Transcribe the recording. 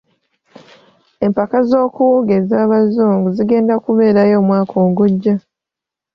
Empaka z'okuwuga ez'abazngu zigenda kubeerayo omwaka ogujja.